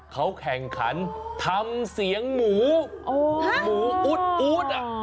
เขาแข่งขันทำเสียงหมูหมูอู๊ดอ่ะ